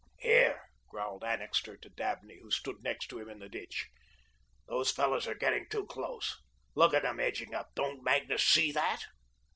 "Here," growled Annixter to Dabney, who stood next him in the ditch, "those fellows are getting too close. Look at them edging up. Don't Magnus see that?"